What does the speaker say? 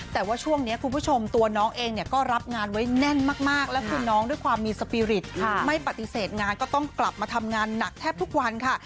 แต่ว่าช่วงนี้คุณผู้ชมตัวน้องเองเนี่ยก็รับงานไว้แน่นมากแล้วคือน้องด้วยความมีสปีริตไม่ปฏิเสธงานก็ต้องกลับมาทำงานหนักแทบทุกวันค่ะ